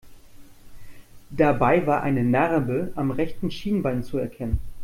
Dabei war eine Narbe am rechten Schienbein zu erkennen.